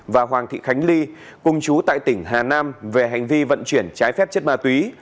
và hoàng thị khánh ly cùng chú tại tỉnh hà nam về hành vi vận chuyển trái phép chất ma túy